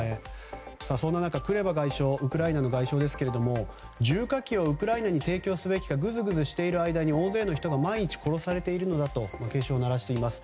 そんな中、クレバ外相ウクライナの外相ですけども重火器をウクライナに提供すべきかぐずぐずしている間に大勢の人が毎日殺されているのだと警鐘を鳴らしています。